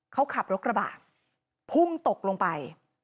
เขาขับรถกระบะพุ่งตกลงไป